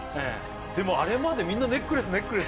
でもあれまでみんな「ネックレス」「ネックレス」